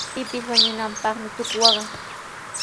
Pipis wañunanpaqmi tuku waqan.